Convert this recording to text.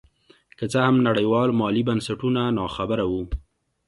که څه هم نړیوال مالي بنسټونه نا خبره وو.